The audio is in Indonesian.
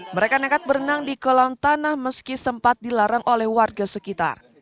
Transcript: mereka nekat berenang di kolam tanah meski sempat dilarang oleh warga sekitar